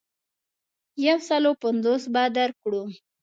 یو سلو پنځوس به درکړو.